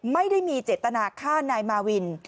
ไม่ได้มีเจตนาฆ่านายมาวิน